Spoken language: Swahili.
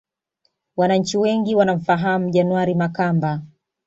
Wananchi wengi wanamfahamu January Makamba